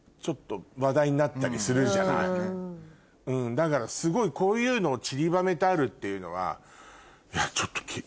だからすごいこういうのをちりばめてあるっていうのは。